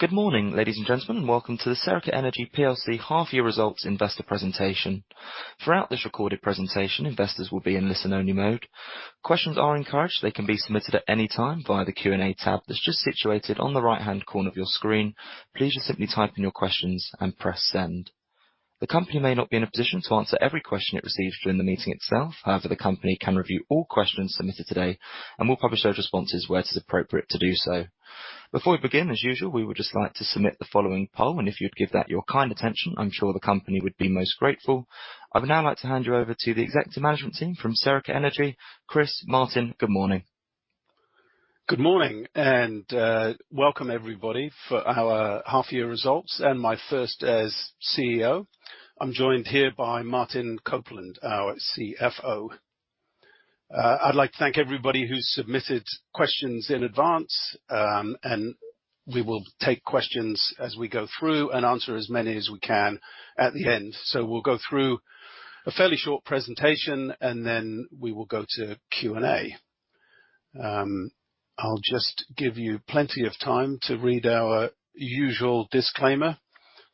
Good morning, ladies and gentlemen, and welcome to the Serica Energy plc Half-Year Results Investor Presentation. Throughout this recorded presentation, investors will be in listen-only mode. Questions are encouraged. They can be submitted at any time via the Q&A tab that's just situated on the right-hand corner of your screen. Please just simply type in your questions and press Send. The company may not be in a position to answer every question it receives during the meeting itself. However, the company can review all questions submitted today and will publish those responses where it is appropriate to do so. Before we begin, as usual, we would just like to submit the following poll, and if you'd give that your kind attention, I'm sure the company would be most grateful. I would now like to hand you over to the executive management team from Serica Energy. Chris, Martin, good morning. Good morning and, welcome everybody for our half-year results and my first as CEO. I'm joined here by Martin Copeland, our CFO. I'd like to thank everybody who submitted questions in advance, and we will take questions as we go through and answer as many as we can at the end. We'll go through a fairly short presentation, and then we will go to Q&A. I'll just give you plenty of time to read our usual disclaimer.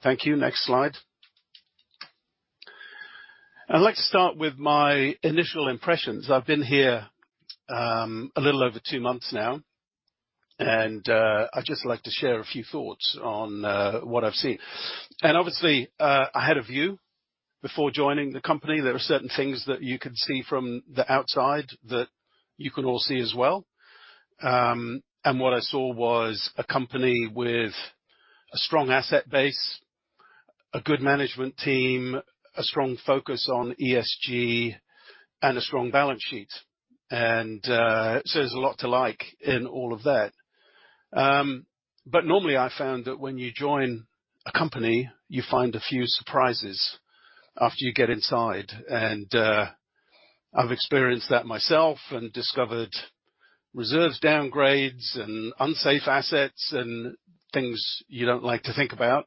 Thank you. Next slide. I'd like to start with my initial impressions. I've been here, a little over two months now, and, I'd just like to share a few thoughts on, what I've seen. Obviously, I had a view before joining the company. There are certain things that you can see from the outside that you can all see as well. What I saw was a company with a strong asset base, a good management team, a strong focus on ESG and a strong balance sheet. There's a lot to like in all of that. Normally, I found that when you join a company, you find a few surprises after you get inside. I've experienced that myself and discovered reserves downgrades, and unsafe assets, and things you don't like to think about.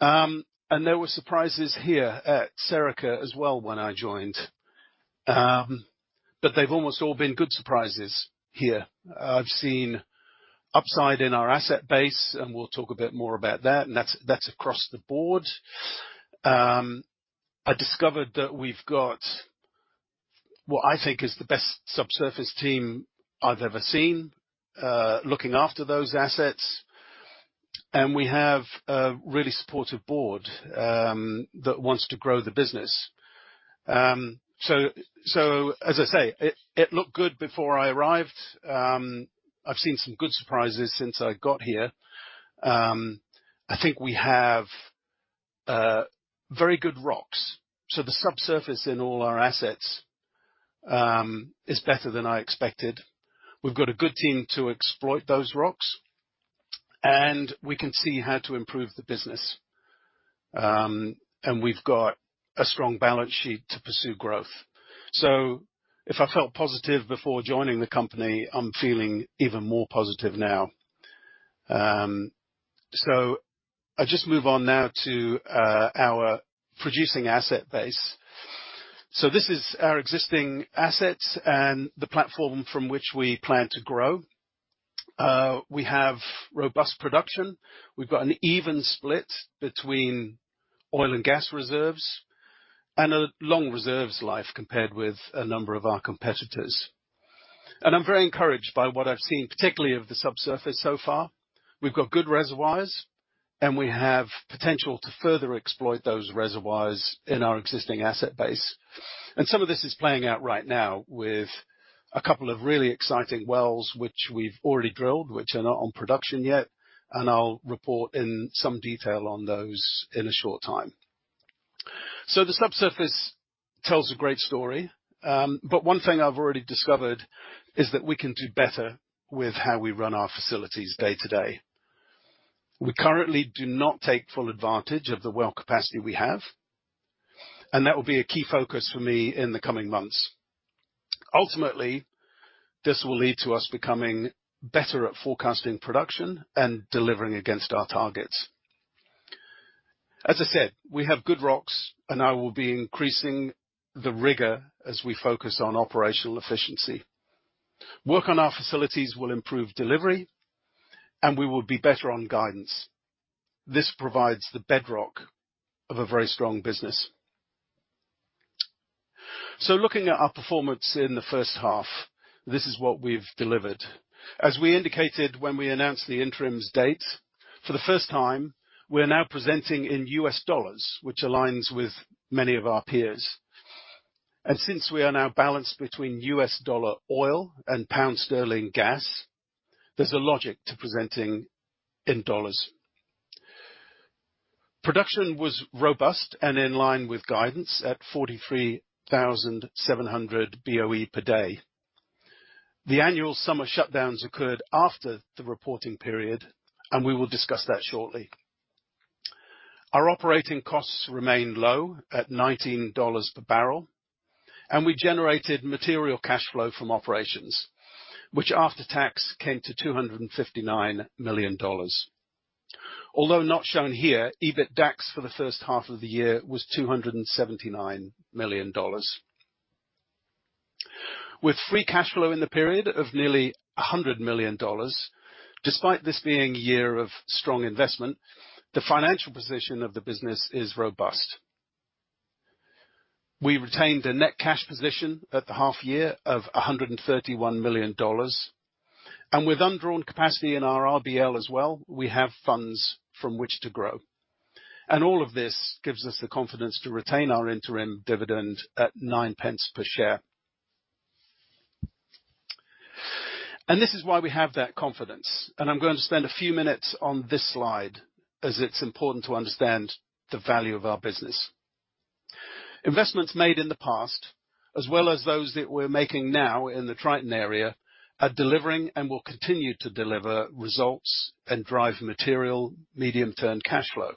There were surprises here at Serica as well when I joined. They've almost all been good surprises here. I've seen upside in our asset base, and we'll talk a bit more about that, and that's across the board. I discovered that we've got what I think is the best subsurface team I've ever seen, looking after those assets. We have a really supportive board that wants to grow the business. As I say, it looked good before I arrived. I've seen some good surprises since I got here. I think we have very good rocks. The subsurface in all our assets is better than I expected. We've got a good team to exploit those rocks, and we can see how to improve the business. We've got a strong balance sheet to pursue growth. If I felt positive before joining the company, I'm feeling even more positive now. I just move on now to our producing asset base. This is our existing assets and the platform from which we plan to grow. We have robust production. We've got an even split between oil and gas reserves and a long reserves life compared with a number of our competitors. I'm very encouraged by what I've seen, particularly of the subsurface so far. We've got good reservoirs, and we have potential to further exploit those reservoirs in our existing asset base. Some of this is playing out right now with a couple of really exciting wells, which we've already drilled, which are not on production yet, and I'll report in some detail on those in a short time. The subsurface tells a great story, but one thing I've already discovered is that we can do better with how we run our facilities day-to-day. We currently do not take full advantage of the well capacity we have, and that will be a key focus for me in the coming months. Ultimately, this will lead to us becoming better at forecasting production and delivering against our targets. As I said, we have good rocks, and I will be increasing the rigor as we focus on operational efficiency. Work on our facilities will improve delivery, and we will be better on guidance. This provides the bedrock of a very strong business. Looking at our performance in the first half, this is what we've delivered. As we indicated when we announced the interim's date, for the first time, we're now presenting in U.S. dollars, which aligns with many of our peers. Since we are now balanced between U.S. dollar oil and pound sterling gas, there's a logic to presenting in dollars. Production was robust and in line with guidance at 43,700 BOE per day. The annual summer shutdowns occurred after the reporting period, and we will discuss that shortly. Our operating costs remained low at $19 per barrel, and we generated material cash flow from operations, which after tax came to $259 million. Although not shown here, EBITDAX for the first half of the year was $279 million with free cash flow in the period of nearly $100 million. Despite this being a year of strong investment, the financial position of the business is robust. We retained a net cash position at the half year of $131 million. With undrawn capacity in our RBL as well, we have funds from which to grow. All of this gives us the confidence to retain our interim dividend at 9 per share. This is why we have that confidence. I'm going to spend a few minutes on this slide as it's important to understand the value of our business. Investments made in the past, as well as those that we're making now in the Triton Area, are delivering and will continue to deliver results and drive material medium-term cash flow.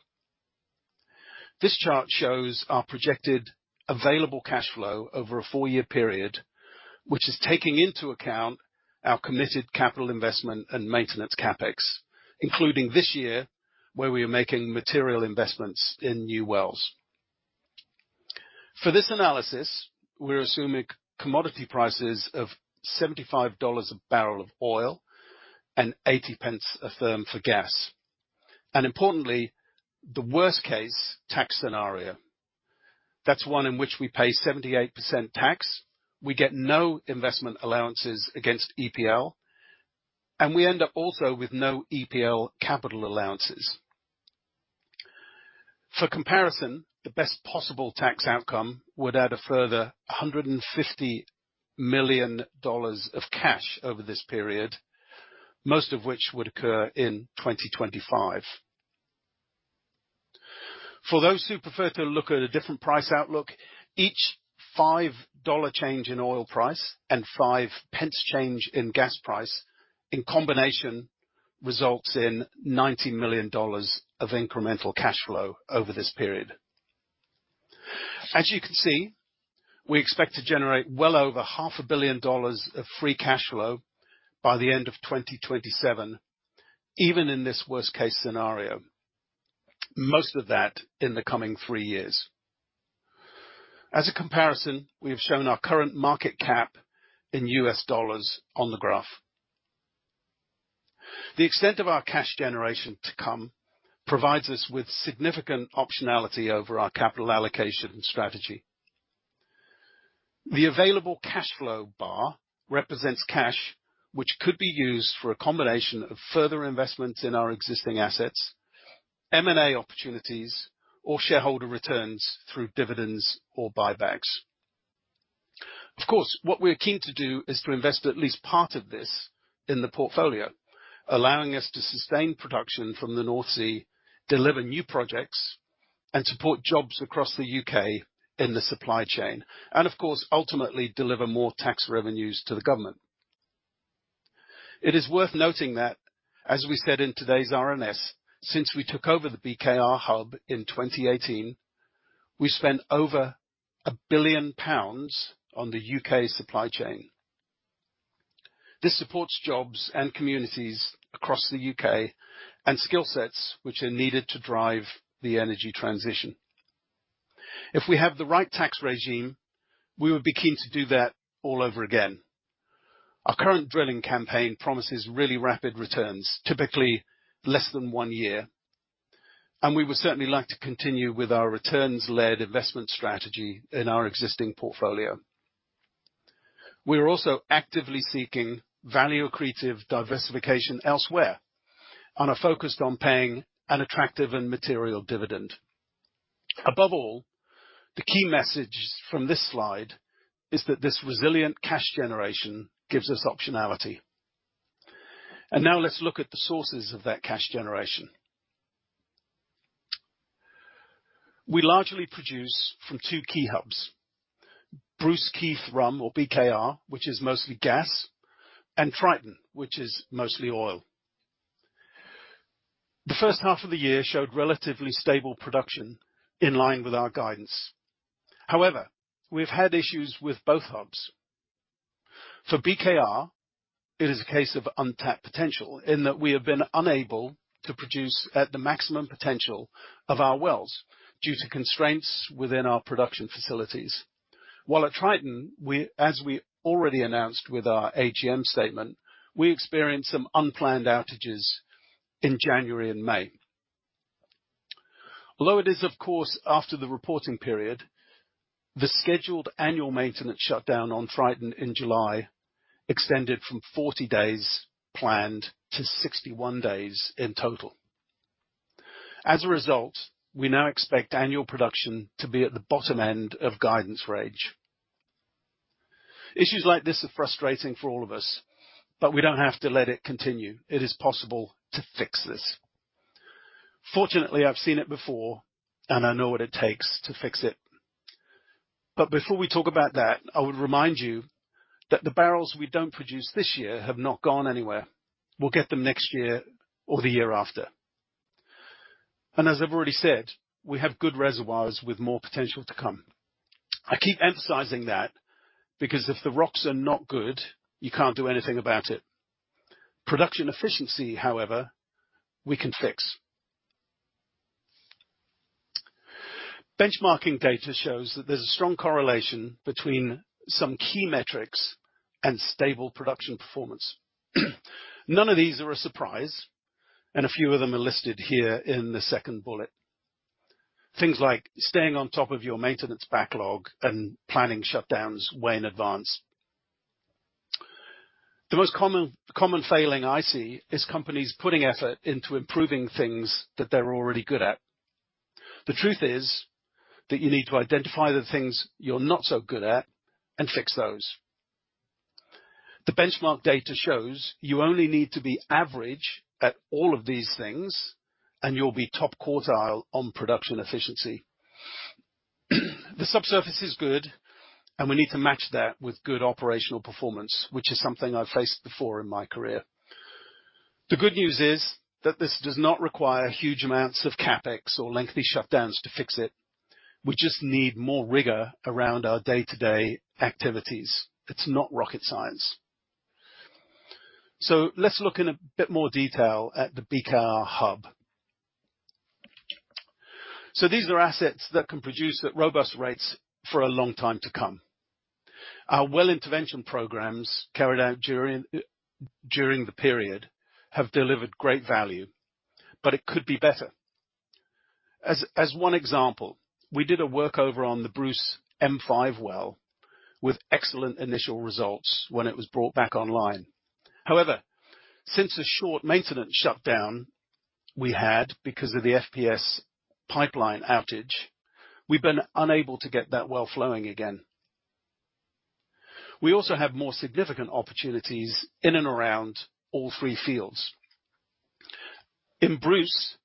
This chart shows our projected available cash flow over a four-year period, which is taking into account our committed capital investment and maintenance CapEx, including this year, where we are making material investments in new wells. For this analysis, we're assuming commodity prices of $75 a barrel of oil and 80 a therm for gas. Importantly, the worst-case tax scenario. That's one in which we pay 78% tax. We get no investment allowances against EPL, and we end up also with no EPL capital allowances. For comparison, the best possible tax outcome would add a further $150 million of cash over this period, most of which would occur in 2025. For those who prefer to look at a different price outlook, each $5 change in oil price and 5 change in gas price in combination results in $90 million of incremental cash flow over this period. As you can see, we expect to generate well over half a billion dollars of free cash flow by the end of 2027, even in this worst case scenario, most of that in the coming three years. As a comparison, we have shown our current market cap in U.S. dollars on the graph. The extent of our cash generation to come provides us with significant optionality over our capital allocation strategy. The available cash flow bar represents cash, which could be used for a combination of further investments in our existing assets, M&A opportunities, or shareholder returns through dividends or buybacks. Of course, what we are keen to do is to invest at least part of this in the portfolio, allowing us to sustain production from the North Sea, deliver new projects, and support jobs across the U.K. in the supply chain and of course, ultimately deliver more tax revenues to the government. It is worth noting that, as we said in today's RNS, since we took over the BKR hub in 2018, we spent over 1 billion pounds on the U.K. supply chain. This supports jobs and communities across the U.K. and skill sets which are needed to drive the energy transition. If we have the right tax regime, we would be keen to do that all over again. Our current drilling campaign promises really rapid returns, typically less than one year, and we would certainly like to continue with our returns-led investment strategy in our existing portfolio. We are also actively seeking value-accretive diversification elsewhere and are focused on paying an attractive and material dividend. Above all, the key message from this slide is that this resilient cash generation gives us optionality. Now let's look at the sources of that cash generation. We largely produce from two key hubs, Bruce Keith Rhum, or BKR, which is mostly gas, and Triton, which is mostly oil. The first half of the year showed relatively stable production in line with our guidance. However, we've had issues with both hubs. For BKR, it is a case of untapped potential in that we have been unable to produce at the maximum potential of our wells due to constraints within our production facilities. While at Triton, as we already announced with our AGM statement, we experienced some unplanned outages in January and May. Although it is of course after the reporting period, the scheduled annual maintenance shutdown on Triton in July extended from 40 days planned to 61 days in total. As a result, we now expect annual production to be at the bottom end of guidance range. Issues like this are frustrating for all of us, but we don't have to let it continue. It is possible to fix this. Fortunately, I've seen it before and I know what it takes to fix it. But before we talk about that, I would remind you that the barrels we don't produce this year have not gone anywhere. We'll get them next year or the year after. As I've already said, we have good reservoirs with more potential to come. I keep emphasizing that because if the rocks are not good, you can't do anything about it. Production efficiency, however, we can fix. Benchmarking data shows that there's a strong correlation between some key metrics and stable production performance. None of these are a surprise, and a few of them are listed here in the second bullet. Things like staying on top of your maintenance backlog and planning shutdowns way in advance. The most common failing I see is companies putting effort into improving things that they're already good at. The truth is that you need to identify the things you're not so good at and fix those. The benchmark data shows you only need to be average at all of these things, and you'll be top quartile on production efficiency. The subsurface is good, and we need to match that with good operational performance, which is something I've faced before in my career. The good news is that this does not require huge amounts of CapEx or lengthy shutdowns to fix it. We just need more rigor around our day-to-day activities. It's not rocket science. Let's look in a bit more detail at the BKR hub. These are assets that can produce at robust rates for a long time to come. Our well intervention programs carried out during the period have delivered great value, but it could be better. As one example, we did a workover on the Bruce M5 well, with excellent initial results when it was brought back online. However, since the short maintenance shutdown we had because of the FPS pipeline outage, we've been unable to get that well flowing again. We also have more significant opportunities in and around all three fields. In Bruce,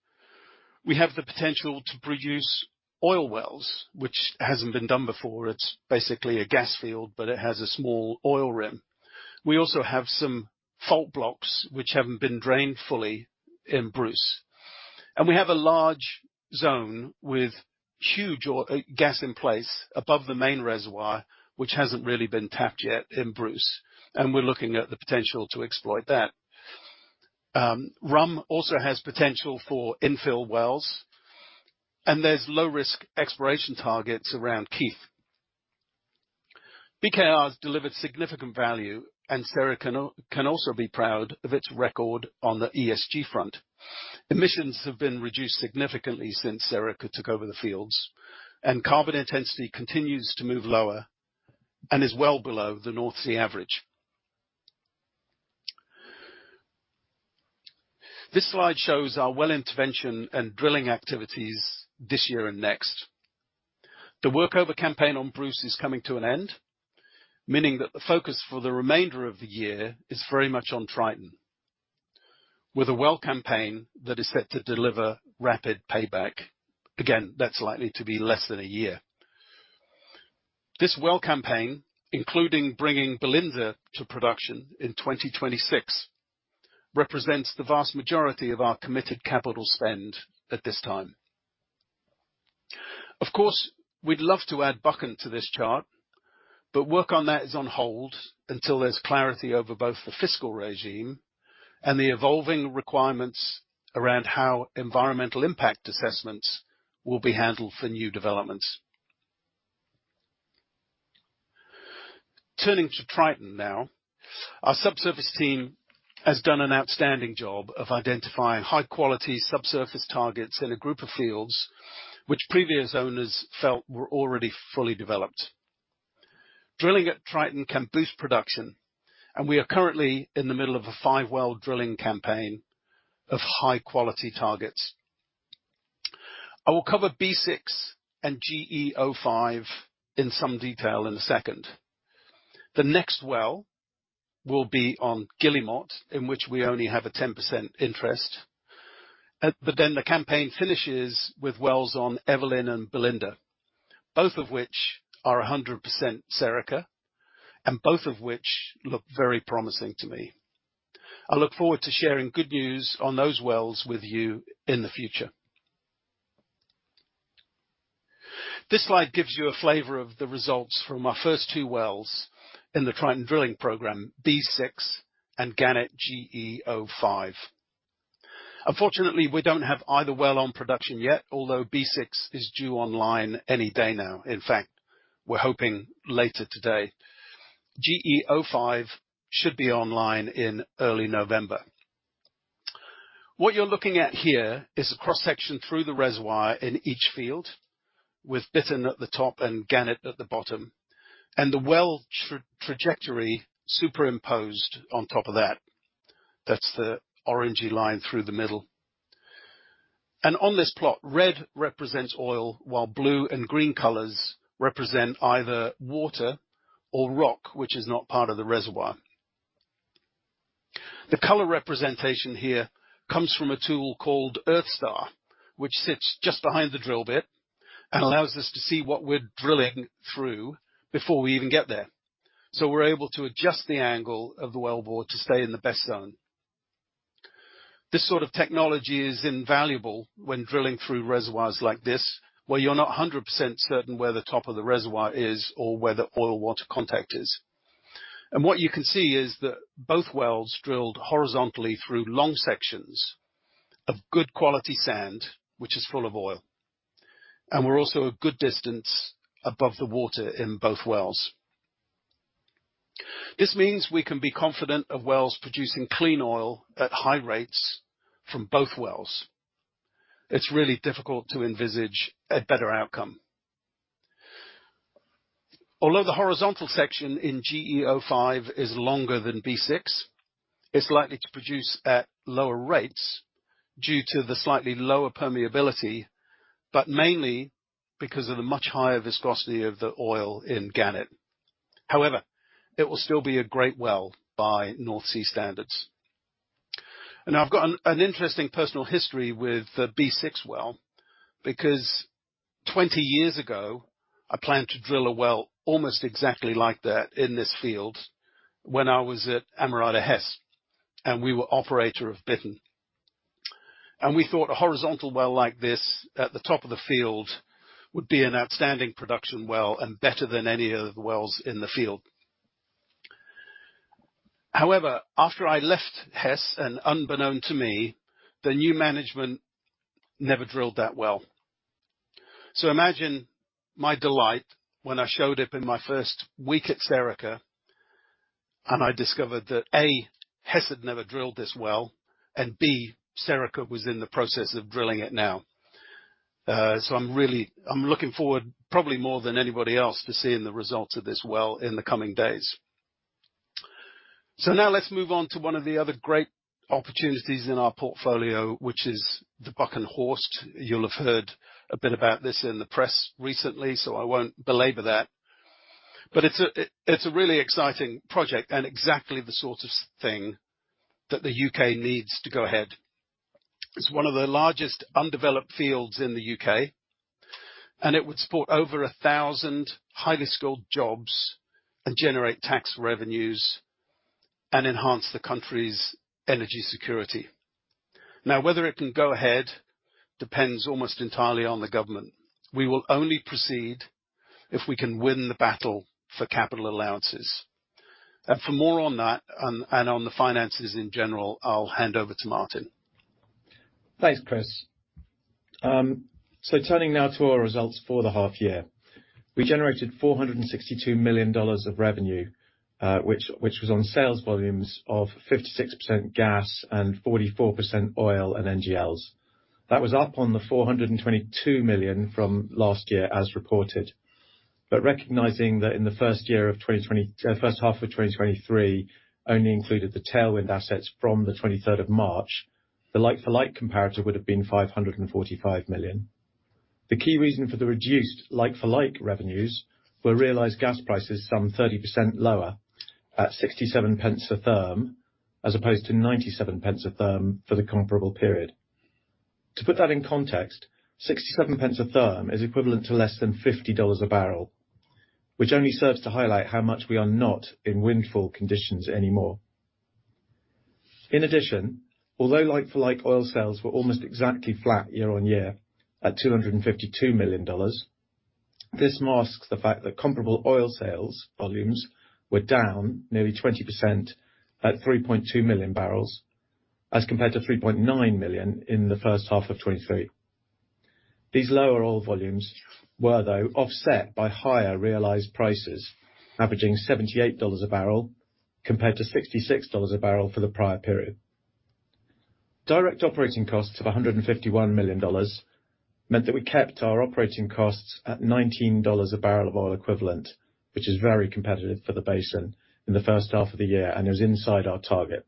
we have the potential to produce oil wells, which hasn't been done before. It's basically a gas field, but it has a small oil rim. We also have some fault blocks which haven't been drained fully in Bruce. We have a large zone with huge gas in place above the main reservoir, which hasn't really been tapped yet in Bruce, and we're looking at the potential to exploit that. Rhum also has potential for infill wells, and there's low risk exploration targets around Keith. BKR has delivered significant value, and Serica can also be proud of its record on the ESG front. Emissions have been reduced significantly since Serica took over the fields, and carbon intensity continues to move lower and is well below the North Sea average. This slide shows our well intervention and drilling activities this year and next. The workover campaign on Bruce is coming to an end, meaning that the focus for the remainder of the year is very much on Triton with a well campaign that is set to deliver rapid payback. Again, that's likely to be less than a year. This well campaign, including bringing Belinda to production in 2026, represents the vast majority of our committed capital spend at this time. Of course, we'd love to add Buchan to this chart, but work on that is on hold until there's clarity over both the fiscal regime and the evolving requirements around how environmental impact assessments will be handled for new developments. Turning to Triton now. Our subsurface team has done an outstanding job of identifying high-quality subsurface targets in a group of fields which previous owners felt were already fully developed. Drilling at Triton can boost production, and we are currently in the middle of a five-well drilling campaign of high-quality targets. I will cover B6 and GE05 in some detail in a second. The next well will be on Guillemot, in which we only have a 10% interest. The campaign finishes with wells on Evelyn and Belinda, both of which are a 100% Serica, and both of which look very promising to me. I look forward to sharing good news on those wells with you in the future. This slide gives you a flavor of the results from our first two wells in the Triton drilling program, B6 and Gannet GE05. Unfortunately, we don't have either well on production yet, although B6 is due online any day now. In fact, we're hoping later today. GE05 should be online in early November. What you're looking at here is a cross-section through the reservoir in each field, with Bittern at the top and Gannet at the bottom, and the well trajectory superimposed on top of that. That's the orangey line through the middle. On this plot, red represents oil, while blue and green colors represent either water or rock, which is not part of the reservoir. The color representation here comes from a tool called EarthStar, which sits just behind the drill bit and allows us to see what we're drilling through before we even get there. We're able to adjust the angle of the wellbore to stay in the best zone. This sort of technology is invaluable when drilling through reservoirs like this, where you're not 100% certain where the top of the reservoir is or where the oil water contact is. What you can see is that both wells drilled horizontally through long sections of good quality sand, which is full of oil. We're also a good distance above the water in both wells. This means we can be confident of wells producing clean oil at high rates from both wells. It's really difficult to envisage a better outcome. Although the horizontal section in GE-05 is longer than B6, it's likely to produce at lower rates due to the slightly lower permeability, but mainly because of the much higher viscosity of the oil in Gannet. However, it will still be a great well by North Sea standards. Now, I've got an interesting personal history with the B6 well, because 20 years ago, I planned to drill a well almost exactly like that in this field when I was at Amerada Hess, and we were operator of Bittern. We thought a horizontal well like this at the top of the field would be an outstanding production well and better than any of the wells in the field. However, after I left Hess, and unbeknown to me, the new management never drilled that well. Imagine my delight when I showed up in my first week at Serica, and I discovered that, A, Hess had never drilled this well, and B, Serica was in the process of drilling it now. I'm really looking forward, probably more than anybody else, to seeing the results of this well in the coming days. Now let's move on to one of the other great opportunities in our portfolio, which is the Buchan Horst. You'll have heard a bit about this in the press recently, so I won't belabor that. It's a really exciting project and exactly the sort of thing that the U.K. needs to go ahead. It's one of the largest undeveloped fields in the U.K., and it would support over 1,000 highly skilled jobs and generate tax revenues and enhance the country's energy security. Now, whether it can go ahead depends almost entirely on the government. We will only proceed if we can win the battle for capital allowances. For more on that, and on the finances in general, I'll hand over to Martin. Thanks, Chris. Turning now to our results for the half year. We generated $462 million of revenue, which was on sales volumes of 56% gas and 44% oil and NGLs. That was up on the $422 million from last year as reported. Recognizing that in the first half of 2023 only included the Tailwind assets from the 23rd of March. The like for like comparator would have been $545 million. The key reason for the reduced like for like revenues were realized gas prices some 30% lower at 67 a therm, as opposed to 97 a therm for the comparable period. To put that in context, 67 a therm is equivalent to less than $50 a barrel, which only serves to highlight how much we are not in windfall conditions anymore. In addition, although like-for-like oil sales were almost exactly flat year-on-year at $252 million, this masks the fact that comparable oil sales volumes were down nearly 20% at 3.2 million barrels, as compared to 3.9 million barrels in the first half of 2023. These lower oil volumes were, though, offset by higher realized prices, averaging $78 a barrel, compared to $66 a barrel for the prior period. Direct operating costs of $151 million meant that we kept our operating costs at $19 a barrel of oil equivalent, which is very competitive for the basin in the first half of the year and is inside our target.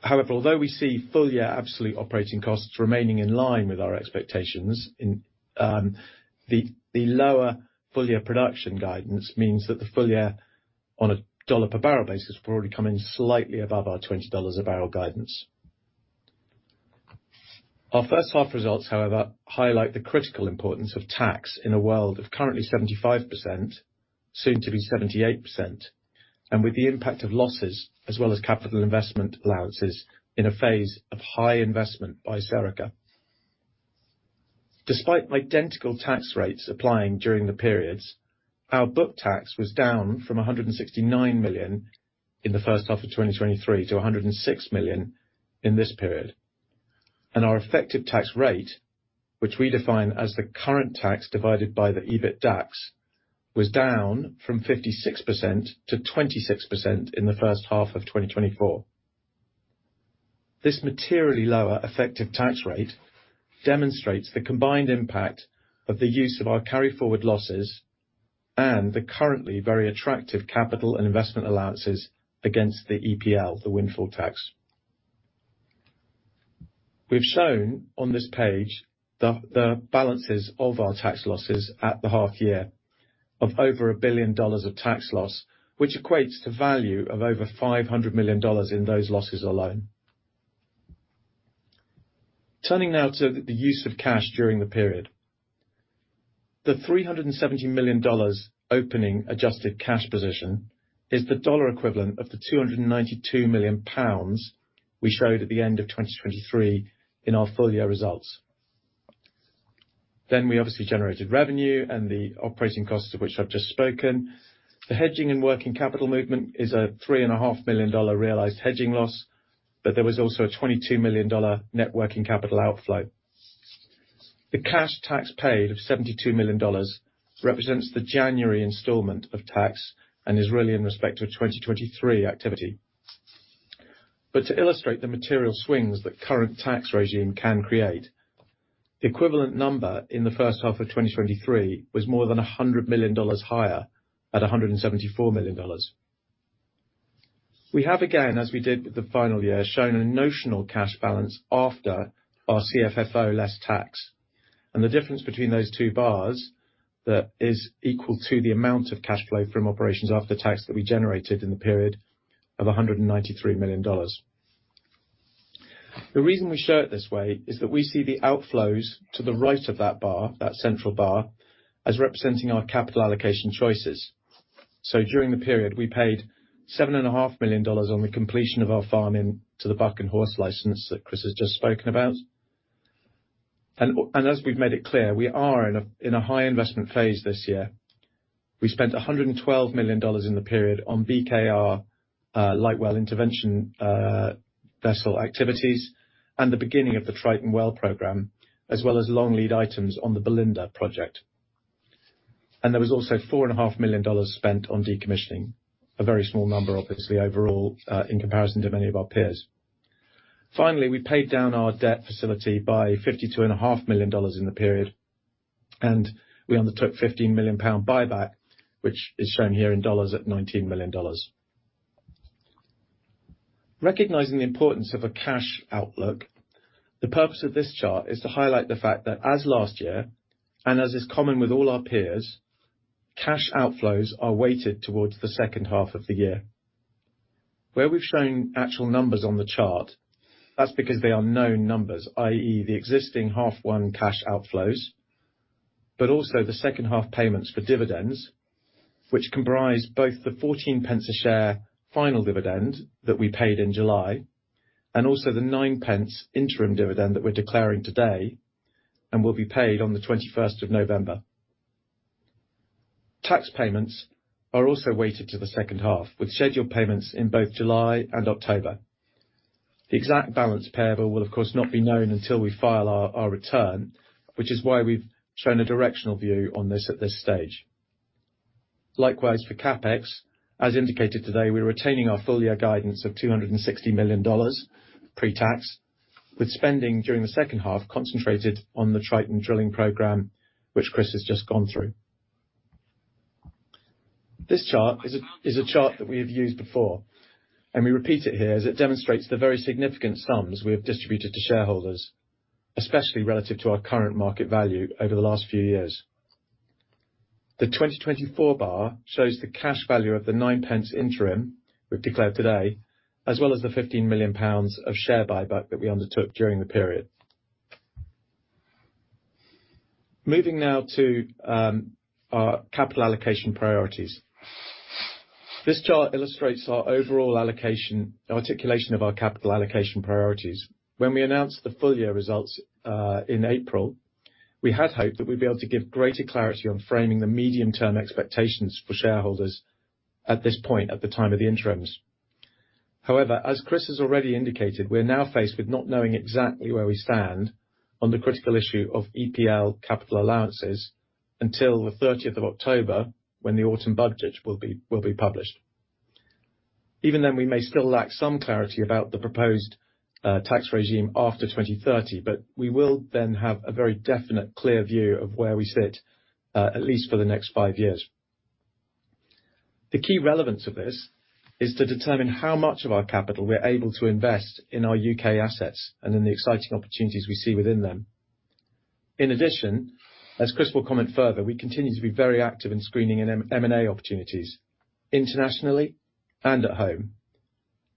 However, although we see full-year absolute operating costs remaining in line with our expectations in the lower full year production guidance means that the full year on a dollar per barrel basis will already come in slightly above our $20 a barrel guidance. Our first half results, however, highlight the critical importance of tax in a world of currently 75%, soon to be 78%, and with the impact of losses as well as capital investment allowances in a phase of high investment by Serica. Despite identical tax rates applying during the periods, our book tax was down from $169 million in the first half of 2023 to $106 million in this period. Our effective tax rate, which we define as the current tax divided by the EBITDAX, was down from 56% to 26% in the first half of 2024. This materially lower effective tax rate demonstrates the combined impact of the use of our carry forward losses and the currently very attractive capital and investment allowances against the EPL, the windfall tax. We've shown on this page the balances of our tax losses at the half year of over $1 billion of tax loss, which equates to value of over $500 million in those losses alone. Turning now to the use of cash during the period. The $370 million opening adjusted cash position is the dollar equivalent of the 292 million pounds we showed at the end of 2023 in our full year results. We obviously generated revenue and the operating costs of which I've just spoken. The hedging and working capital movement is a $3.5 million dollar realized hedging loss, but there was also a $22 million dollar net working capital outflow. The cash tax paid of $72 million represents the January installment of tax and is really in respect to a 2023 activity. To illustrate the material swings that current tax regime can create, the equivalent number in the first half of 2023 was more than $100 million higher at a $174 million. We have again, as we did with the full year, shown a notional cash balance after our CFFO less tax, and the difference between those two bars that is equal to the amount of cash flow from operations after tax that we generated in the period of $193 million. The reason we show it this way is that we see the outflows to the right of that bar, that central bar, as representing our capital allocation choices. During the period, we paid $7.5 million on the completion of our farm-in to the Buchan Horst license that Chris has just spoken about. As we've made it clear, we are in a high investment phase this year. We spent $112 million in the period on BKR, light well intervention, vessel activities and the beginning of the Triton Well program, as well as long lead items on the Belinda project. There was also $4.5 million spent on decommissioning. A very small number, obviously, overall, in comparison to many of our peers. Finally, we paid down our debt facility by $52.5 million in the period, and we undertook 15 million pound buyback, which is shown here in dollars at $19 million. Recognizing the importance of a cash outlook, the purpose of this chart is to highlight the fact that as last year, and as is common with all our peers, cash outflows are weighted towards the second half of the year. Where we've shown actual numbers on the chart, that's because they are known numbers, i.e. the existing H1 cash outflows, but also the second-half payments for dividends, which comprise both the 14 a share final dividend that we paid in July, and also the 9 interim dividend that we're declaring today and will be paid on the 21st of November. Tax payments are also weighted to the second half, with scheduled payments in both July and October. The exact balance payable will of course not be known until we file our return, which is why we've shown a directional view on this at this stage. Likewise, for CapEx, as indicated today, we're retaining our full year guidance of $260 million pre-tax, with spending during the second half concentrated on the Triton drilling program, which Chris has just gone through. This chart is a chart that we have used before, and we repeat it here as it demonstrates the very significant sums we have distributed to shareholders, especially relative to our current market value over the last few years. The 2024 bar shows the cash value of the 9 interim we've declared today, as well as the 15 million pounds of share buyback that we undertook during the period. Moving now to our capital allocation priorities. This chart illustrates our overall articulation of our capital allocation priorities. When we announced the full year results in April, we had hoped that we'd be able to give greater clarity on framing the medium-term expectations for shareholders at this point at the time of the interims. However, as Chris has already indicated, we're now faced with not knowing exactly where we stand on the critical issue of EPL capital allowances until the 30th of October when the Autumn Budget will be published. Even then, we may still lack some clarity about the proposed tax regime after 2030, but we will then have a very definite, clear view of where we sit at least for the next five years. The key relevance of this is to determine how much of our capital we're able to invest in our U.K. assets and in the exciting opportunities we see within them. In addition, as Chris will comment further, we continue to be very active in screening M&A opportunities internationally and at home,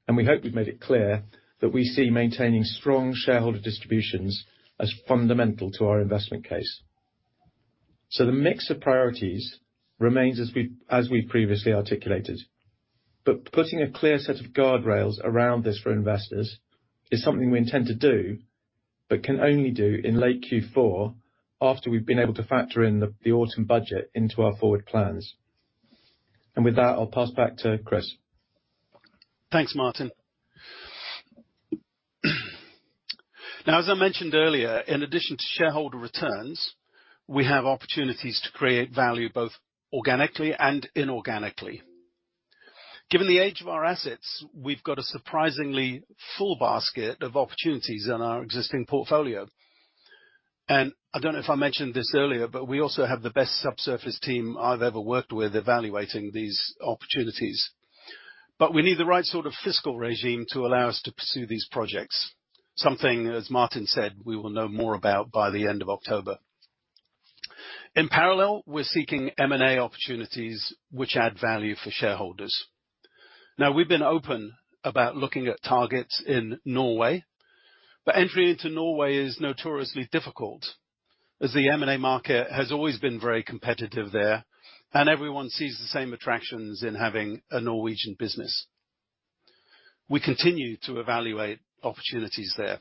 and we hope we've made it clear that we see maintaining strong shareholder distributions as fundamental to our investment case. The mix of priorities remains as we, as we've previously articulated. Putting a clear set of guardrails around this for investors is something we intend to do, but can only do in late Q4, after we've been able to factor in the Autumn Budget into our forward plans. With that, I'll pass back to Chris. Thanks, Martin. Now, as I mentioned earlier, in addition to shareholder returns, we have opportunities to create value both organically and inorganically. Given the age of our assets, we've got a surprisingly full basket of opportunities in our existing portfolio. I don't know if I mentioned this earlier, but we also have the best subsurface team I've ever worked with evaluating these opportunities. We need the right sort of fiscal regime to allow us to pursue these projects. Something, as Martin said, we will know more about by the end of October. In parallel, we're seeking M&A opportunities which add value for shareholders. Now, we've been open about looking at targets in Norway, but entry into Norway is notoriously difficult, as the M&A market has always been very competitive there, and everyone sees the same attractions in having a Norwegian business. We continue to evaluate opportunities there.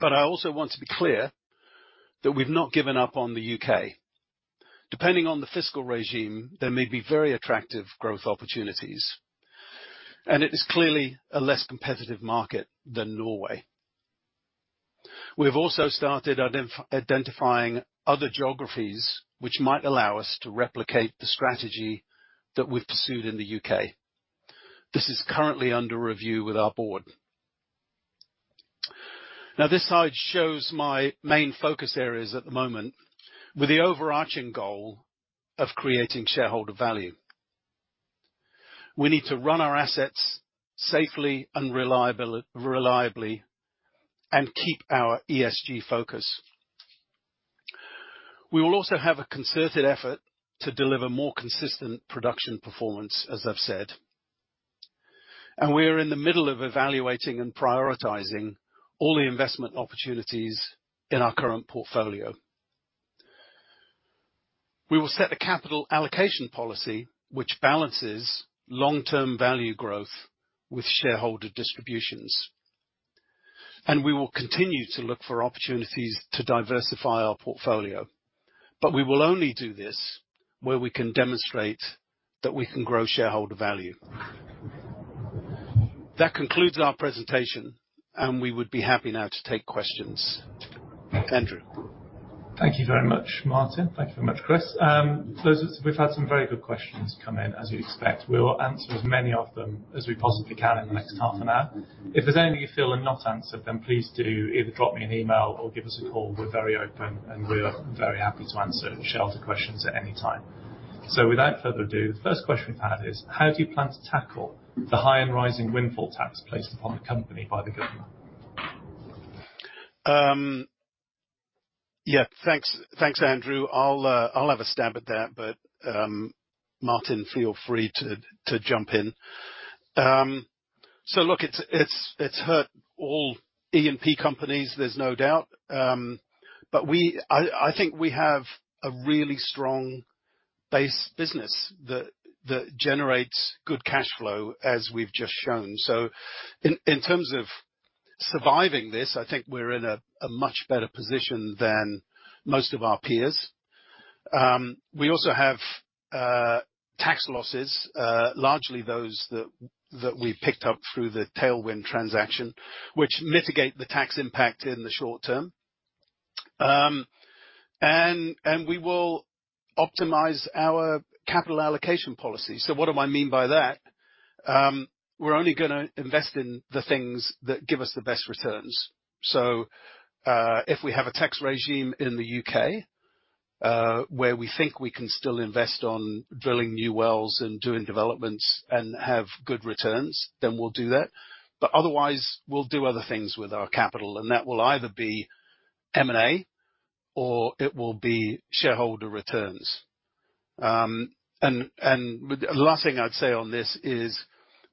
I also want to be clear that we've not given up on the U.K. Depending on the fiscal regime, there may be very attractive growth opportunities, and it is clearly a less competitive market than Norway. We've also started identifying other geographies which might allow us to replicate the strategy that we've pursued in the U.K. This is currently under review with our board. Now, this slide shows my main focus areas at the moment with the overarching goal of creating shareholder value. We need to run our assets safely and reliably, and keep our ESG focus. We will also have a concerted effort to deliver more consistent production performance, as I've said. We are in the middle of evaluating and prioritizing all the investment opportunities in our current portfolio. We will set a capital allocation policy which balances long-term value growth with shareholder distributions. We will continue to look for opportunities to diversify our portfolio. We will only do this where we can demonstrate that we can grow shareholder value. That concludes our presentation, and we would be happy now to take questions. Andrew. Thank you very much, Martin. Thank you very much, Chris. We've had some very good questions come in, as you expect. We will answer as many of them as we possibly can in the next half an hour. If there's any you feel are not answered, then please do either drop me an email or give us a call. We're very open, and we're very happy to answer shareholder questions at any time. Without further ado, the first question we've had is. How do you plan to tackle the high and rising windfall tax placed upon the company by the government? Yeah. Thanks, Andrew. I'll have a stab at that, but Martin, feel free to jump in. Look, it's hurt all E&P companies, there's no doubt. I think we have a really strong base business that generates good cash flow, as we've just shown. In terms of surviving this, I think we're in a much better position than most of our peers. We also have tax losses, largely those that we picked up through the Tailwind transaction, which mitigate the tax impact in the short term. We will optimize our capital allocation policy. What do I mean by that? We're only gonna invest in the things that give us the best returns. If we have a tax regime in the U.K., where we think we can still invest on drilling new wells and doing developments and have good returns, then we'll do that. Otherwise, we'll do other things with our capital, and that will either be M&A, or it will be shareholder returns. The last thing I'd say on this is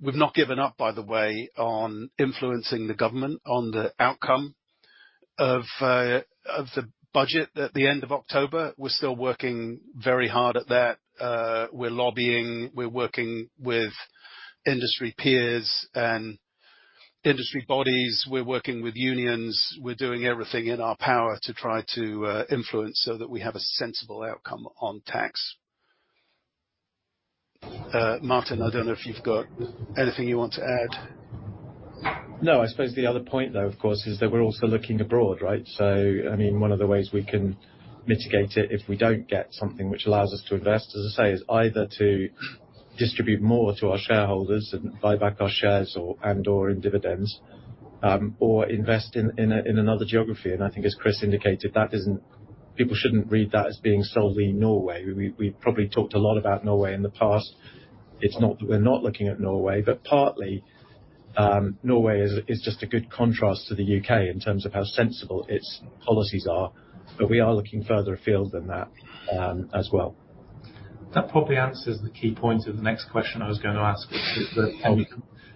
we've not given up, by the way, on influencing the government on the outcome of the budget at the end of October. We're still working very hard at that. We're lobbying. We're working with industry peers and industry bodies. We're working with unions. We're doing everything in our power to try to influence so that we have a sensible outcome on tax. Martin, I don't know if you've got anything you want to add. No, I suppose the other point though, of course, is that we're also looking abroad, right? I mean, one of the ways we can mitigate it if we don't get something which allows us to invest, as I say, is either to distribute more to our shareholders and buy back our shares or, and/or in dividends, or invest in another geography. I think as Chris indicated, that isn't. People shouldn't read that as being solely Norway. We've probably talked a lot about Norway in the past. It's not that we're not looking at Norway, but partly, Norway is just a good contrast to the U.K. in terms of how sensible its policies are. We are looking further afield than that, as well. That probably answers the key point of the next question I was gonna ask,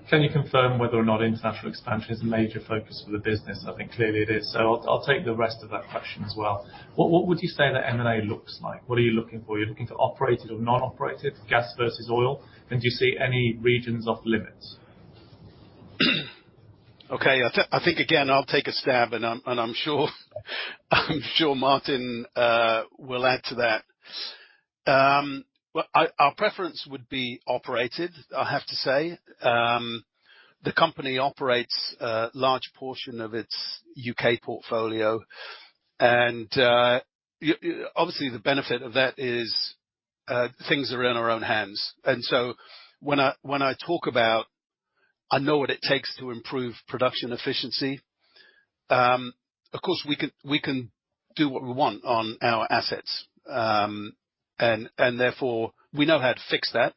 Can you confirm whether or not international expansion is a major focus for the business? I think clearly it is. I'll take the rest of that question as well. What would you say that M&A looks like? What are you looking for? Are you looking for operated or non-operated? Gas versus oil? And do you see any regions off limits? Okay. I think, again, I'll take a stab, and I'm sure Martin will add to that. Well, our preference would be operated, I have to say. The company operates a large portion of its U.K. portfolio, and obviously the benefit of that is things are in our own hands. When I talk about, I know what it takes to improve production efficiency, of course we can do what we want on our assets. Therefore we know how to fix that.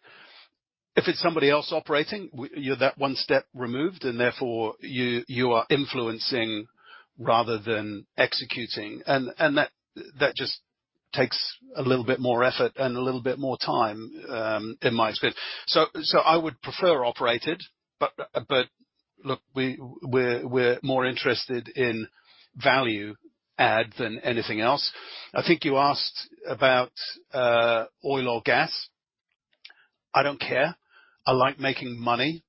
If it's somebody else operating, you're that one step removed, and therefore you are influencing rather than executing. That just takes a little bit more effort and a little bit more time in my experience. I would prefer operated, but look, we're more interested in value add than anything else. I think you asked about oil or gas. I don't care. I like making money.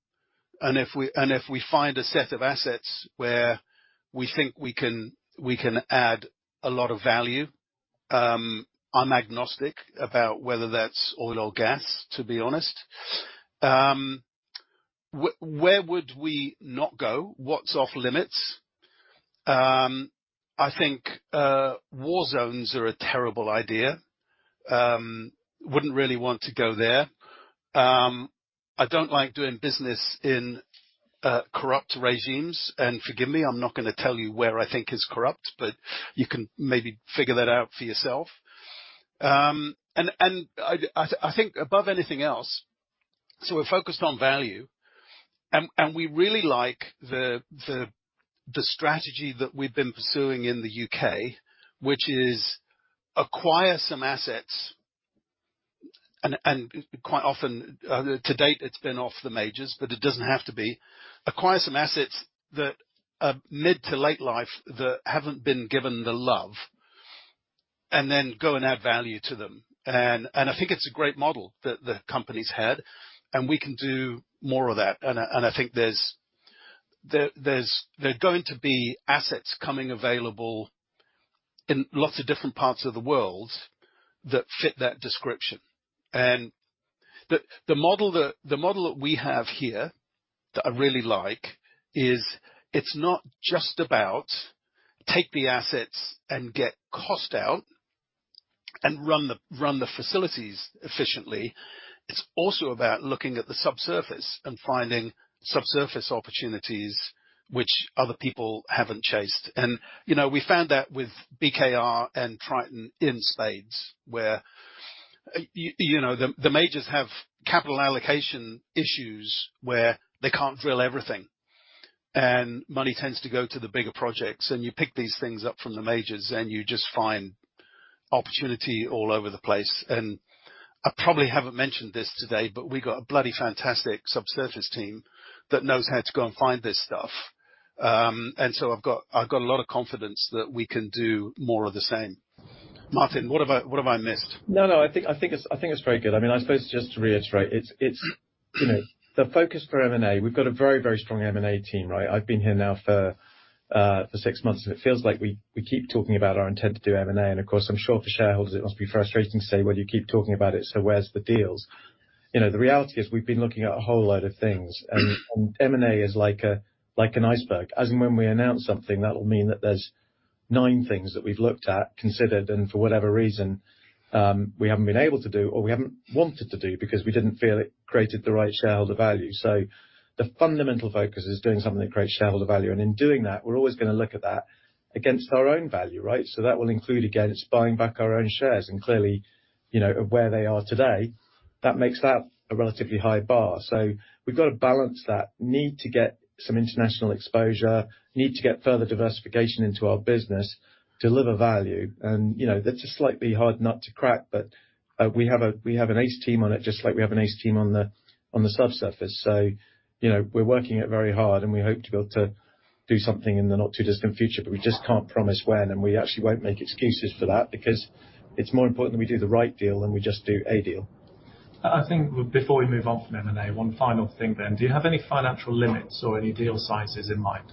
If we find a set of assets where we think we can add a lot of value, I'm agnostic about whether that's oil or gas, to be honest. Where would we not go? What's off-limits? I think war zones are a terrible idea. Wouldn't really want to go there. I don't like doing business in corrupt regimes. Forgive me, I'm not gonna tell you where I think is corrupt, but you can maybe figure that out for yourself. I think above anything else, we're focused on value. We really like the strategy that we've been pursuing in the U.K., which is acquire some assets and quite often to date it's been off the majors, but it doesn't have to be. Acquire some assets that are mid to late life that haven't been given the love, and then go and add value to them. I think it's a great model that the company's had, and we can do more of that. I think there're going to be assets coming available in lots of different parts of the world that fit that description. The model that we have here that I really like is it's not just about take the assets and get cost out and run the facilities efficiently. It's also about looking at the subsurface and finding subsurface opportunities which other people haven't chased. You know, we found that with BKR and Triton in spades, where you know, the majors have capital allocation issues where they can't drill everything, and money tends to go to the bigger projects. You pick these things up from the majors, and you just find opportunity all over the place. I probably haven't mentioned this today, but we've got a bloody fantastic subsurface team that knows how to go and find this stuff. I've got a lot of confidence that we can do more of the same. Martin, what have I missed? No, I think it's very good. I mean, I suppose just to reiterate, it's you know, the focus for M&A. We've got a very strong M&A team, right? I've been here now for six months, and it feels like we keep talking about our intent to do M&A. Of course, I'm sure for shareholders it must be frustrating to say, "Well, you keep talking about it, so where's the deals?" You know, the reality is we've been looking at a whole load of things. M&A is like an iceberg. As and when we announce something, that will mean that there's nine things that we've looked at, considered, and for whatever reason, we haven't been able to do or we haven't wanted to do because we didn't feel it created the right shareholder value. The fundamental focus is doing something that creates shareholder value. In doing that, we're always gonna look at that against our own value, right? That will include, again, us buying back our own shares. Clearly, you know, where they are today, that makes that a relatively high bar. We've got to balance that need to get some international exposure, need to get further diversification into our business, deliver value. You know, that's a slightly hard nut to crack, but we have an ace team on it, just like we have an ace team on the subsurface. You know, we're working it very hard, and we hope to be able to do something in the not too distant future, but we just can't promise when, and we actually won't make excuses for that because it's more important that we do the right deal than we just do a deal. I think before we move on from M&A, one final thing then. Do you have any financial limits or any deal sizes in mind?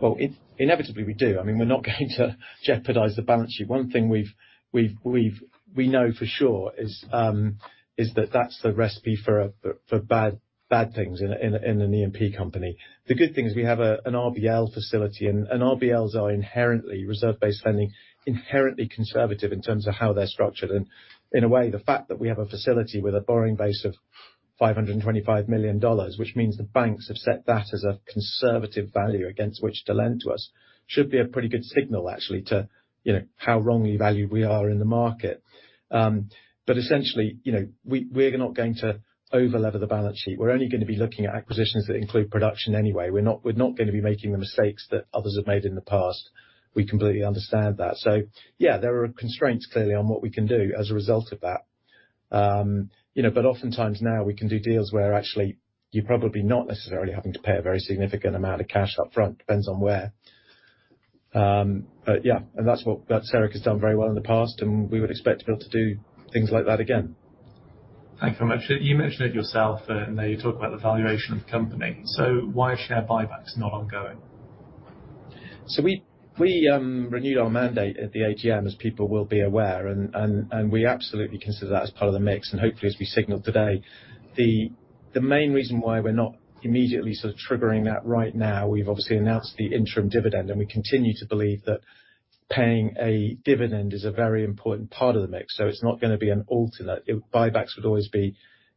Well, inevitably we do. I mean, we're not going to jeopardize the balance sheet. One thing we know for sure is that that's the recipe for bad things in an E&P company. The good thing is we have an RBL facility, and RBLs are inherently reserve-based lending, inherently conservative in terms of how they're structured. In a way, the fact that we have a facility with a borrowing base of $525 million, which means the banks have set that as a conservative value against which to lend to us, should be a pretty good signal actually to you know how wrongly valued we are in the market. But essentially, you know, we're not going to over-lever the balance sheet. We're only gonna be looking at acquisitions that include production anyway. We're not gonna be making the mistakes that others have made in the past. We completely understand that. Yeah, there are constraints clearly on what we can do as a result of that. You know, but oftentimes now we can do deals where actually you're probably not necessarily having to pay a very significant amount of cash up front, depends on where. But yeah. That's what Serica has done very well in the past, and we would expect to be able to do things like that again. Thank you very much. You mentioned it yourself, and now you talk about the valuation of the company. Why are share buybacks not ongoing? We renewed our mandate at the AGM, as people will be aware, and we absolutely consider that as part of the mix. Hopefully, as we signaled today, the main reason why we're not immediately sort of triggering that right now, we've obviously announced the interim dividend, and we continue to believe that paying a dividend is a very important part of the mix. It's not gonna be an alternative. Buybacks would always be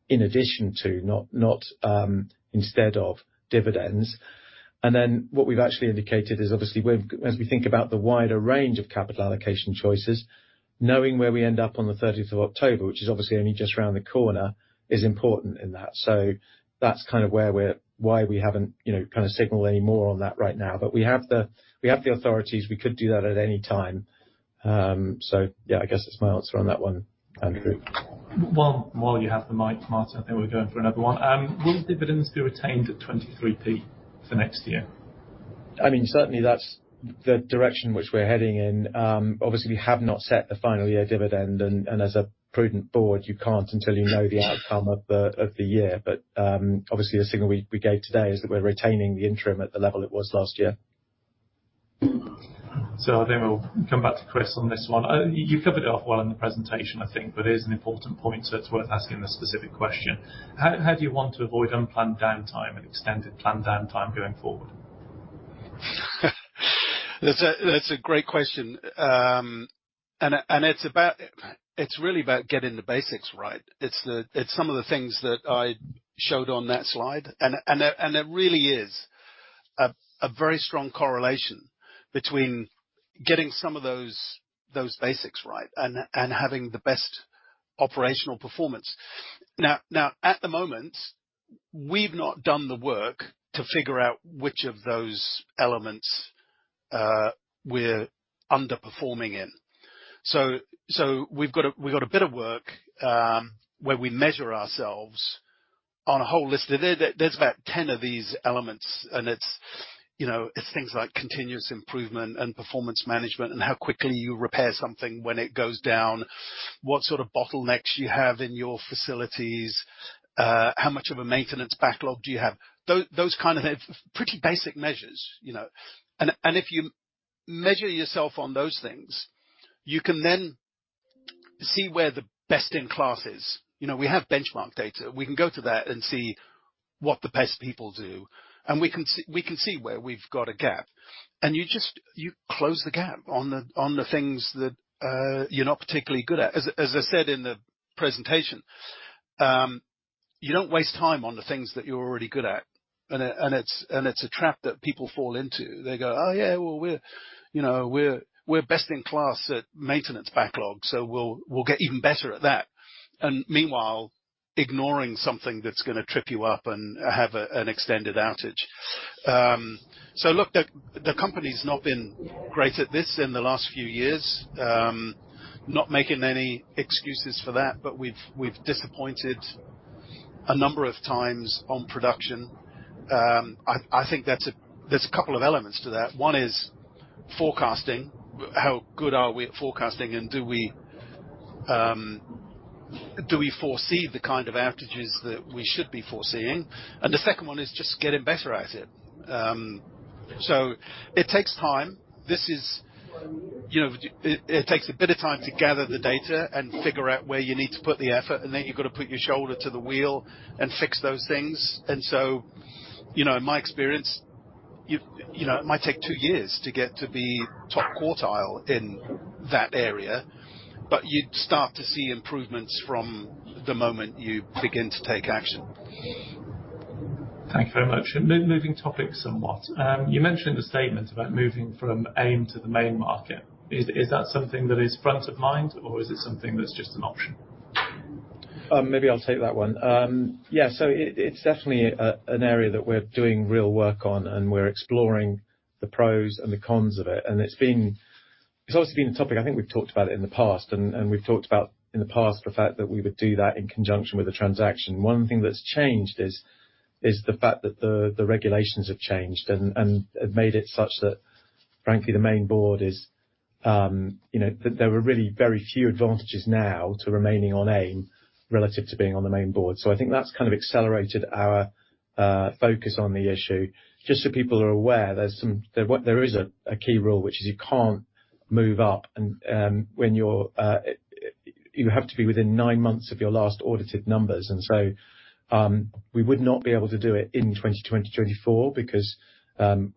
in addition to, not instead of dividends. Then what we've actually indicated is obviously as we think about the wider range of capital allocation choices, knowing where we end up on the 30th of October, which is obviously only just around the corner, is important in that. That's kind of where, why we haven't, you know, kind of signaled any more on that right now. But we have the authorities, we could do that at any time. Yeah, I guess that's my answer on that one. Andrew? Well, while you have the mic, Martin, I think we'll go for another one. Will the dividends be retained at 0.23 for next year? I mean, certainly that's the direction which we're heading in. Obviously, we have not set the final year dividend. As a prudent board, you can't until you know the outcome of the year. Obviously, the signal we gave today is that we're retaining the interim at the level it was last year. I think we'll come back to Chris on this one. You covered it off well in the presentation, I think, but it is an important point, so it's worth asking the specific question. How do you want to avoid unplanned downtime and extended planned downtime going forward? That's a great question. It's really about getting the basics right. It's some of the things that I showed on that slide. It really is a very strong correlation between getting some of those basics right and having the best operational performance. Now, at the moment, we've not done the work to figure out which of those elements we're underperforming in. So we've got a bit of work where we measure ourselves on a whole list of. There's about 10 of these elements, and it's, you know, it's things like continuous improvement and performance management and how quickly you repair something when it goes down, what sort of bottlenecks you have in your facilities, how much of a maintenance backlog do you have. Those kind of pretty basic measures, you know. If you measure yourself on those things, you can then see where the best in class is. You know, we have benchmark data. We can go to that and see what the best people do, and we can see where we've got a gap. You close the gap on the things that you're not particularly good at. As I said in the presentation, you don't waste time on the things that you're already good at. It's a trap that people fall into. They go, "Oh, yeah, well, we're, you know, we're best in class at maintenance backlog, so we'll get even better at that," meanwhile ignoring something that's gonna trip you up and have an extended outage. Look, the company's not been great at this in the last few years. Not making any excuses for that, but we've disappointed a number of times on production. I think there's a couple of elements to that. One is forecasting. How good are we at forecasting, and do we foresee the kind of outages that we should be foreseeing? The second one is just getting better at it. It takes time. This is, you know, it takes a bit of time to gather the data and figure out where you need to put the effort, and then you've got to put your shoulder to the wheel and fix those things. you know, in my experience, you've, you know, it might take two years to get to be top quartile in that area, but you'd start to see improvements from the moment you begin to take action. Thank you very much. Moving topics somewhat. You mentioned the statement about moving from AIM to the main market. Is that something that is front of mind, or is it something that's just an option? Maybe I'll take that one. Yeah, it's definitely an area that we're doing real work on, and we're exploring the pros and the cons of it. It's obviously been a topic, I think we've talked about it in the past, and we've talked about in the past the fact that we would do that in conjunction with a transaction. One thing that's changed is the fact that the regulations have changed and have made it such that, frankly, the main board is, you know, there are really very few advantages now to remaining on AIM relative to being on the main board. I think that's kind of accelerated our focus on the issue. Just so people are aware, there is a key rule, which is you can't move up. You have to be within nine months of your last audited numbers. We would not be able to do it in 2024 because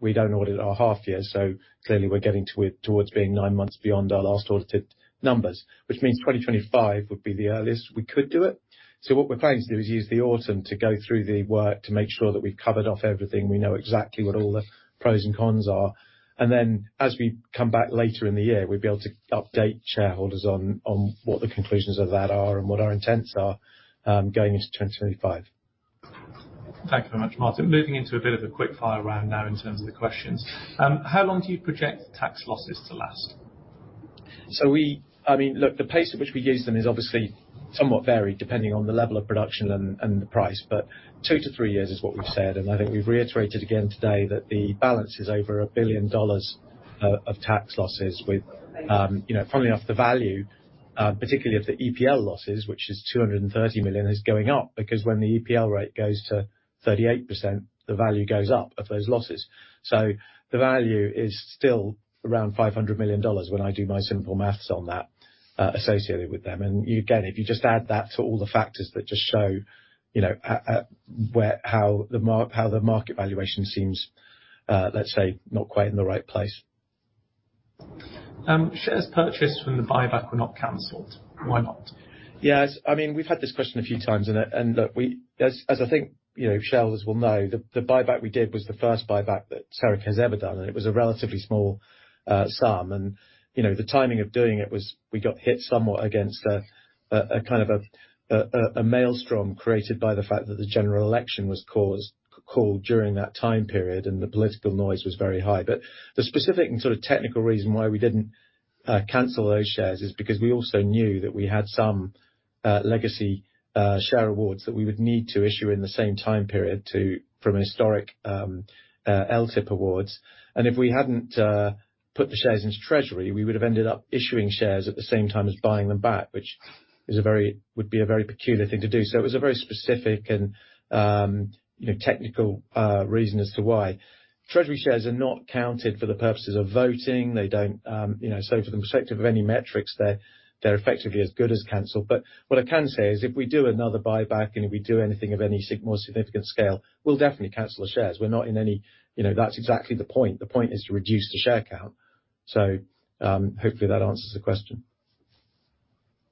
we don't audit our half year, so clearly we're getting towards being nine months beyond our last audited numbers, which means 2025 would be the earliest we could do it. What we're planning to do is use the autumn to go through the work to make sure that we've covered off everything, we know exactly what all the pros and cons are. As we come back later in the year, we'll be able to update shareholders on what the conclusions of that are and what our intents are, going into 2025. Thank you very much, Martin. Moving into a bit of a quick fire round now in terms of the questions. How long do you project tax losses to last? I mean, look, the pace at which we use them is obviously somewhat varied depending on the level of production and the price. But two to three years is what we've said, and I think we've reiterated again today that the balance is over $1 billion of tax losses with, you know, funnily enough, the value, particularly of the EPL losses, which is $230 million, is going up because when the EPL rate goes to 38%, the value goes up of those losses. The value is still around $500 million when I do my simple math on that, associated with them. Again, if you just add that to all the factors that just show, you know, how the market valuation seems, let's say, not quite in the right place. Shares purchased from the buyback were not canceled. Why not? Yes. I mean, we've had this question a few times, and look, we, as I think, you know, shareholders will know, the buyback we did was the first buyback that Serica has ever done, and it was a relatively small sum. You know, the timing of doing it was we got hit somewhat against a kind of a maelstrom created by the fact that the general election was called during that time period, and the political noise was very high. But the specific and sort of technical reason why we didn't cancel those shares is because we also knew that we had some legacy share awards that we would need to issue in the same time period from a historic LTIP awards. If we hadn't put the shares into treasury, we would have ended up issuing shares at the same time as buying them back, which would be a very peculiar thing to do. It was a very specific and, you know, technical reason as to why. Treasury shares are not counted for the purposes of voting. They don't, you know, so from the perspective of any metrics, they're effectively as good as canceled. But what I can say is if we do another buyback and if we do anything of any more significant scale, we'll definitely cancel the shares. We're not in any. You know, that's exactly the point. The point is to reduce the share count. Hopefully that answers the question.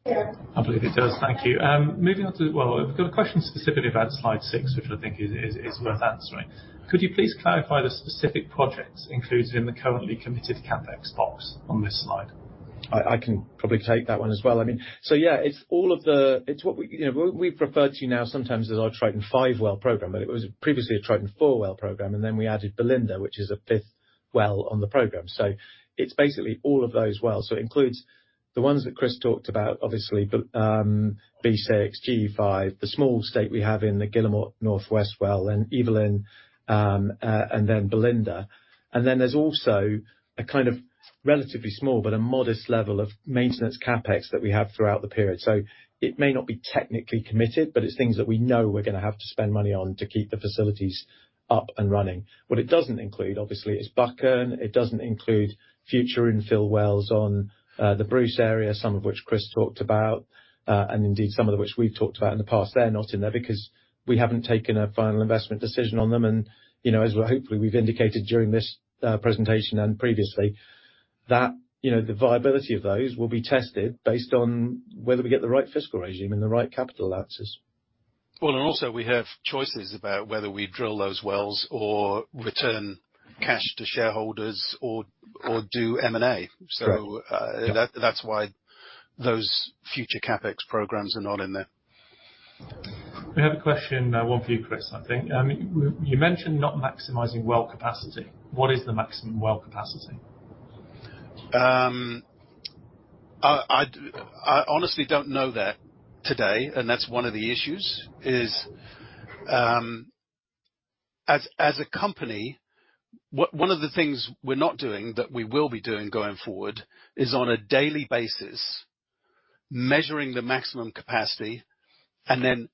I believe it does. Thank you. Well, I've got a question specifically about slide 6, which I think is worth answering. Could you please clarify the specific projects included in the currently committed CapEx box on this slide? I can probably take that one as well. I mean, it's all of the. It's what we, you know, we refer to now sometimes as our Triton five well program, and it was previously a Triton four well program. Then we added Belinda, which is a fifth well on the program. It's basically all of those wells. It includes the ones that Chris talked about, obviously, B6, GE05, the small stake we have in the Guillemot Northwest well, and Evelyn, and then Belinda. There's also a kind of relatively small but a modest level of maintenance CapEx that we have throughout the period. It may not be technically committed, but it's things that we know we're gonna have to spend money on to keep the facilities up and running. What it doesn't include, obviously, is Buchan. It doesn't include future infill wells on the Bruce area, some of which Chris talked about, and indeed some of which we've talked about in the past. They're not in there because we haven't taken a final investment decision on them and, you know, hopefully we've indicated during this presentation and previously, that, you know, the viability of those will be tested based on whether we get the right fiscal regime and the right capital access. Well, we have choices about whether we drill those wells or return cash to shareholders or do M&A. Right. That's why those future CapEx programs are not in there. We have a question, one for you, Chris, I think. You mentioned not maximizing well capacity. What is the maximum well capacity? I honestly don't know that today, and that's one of the issues, is, as a company, one of the things we're not doing that we will be doing going forward is on a daily basis measuring the maximum capacity and then